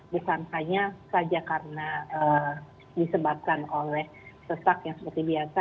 bukan hanya saja karena disebabkan oleh sesak yang seperti biasa